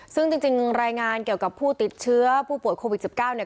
ซึ่งจริงรายงานเกี่ยวกับผู้ติดเชื้อผู้ป่วยโควิด๑๙เนี่ย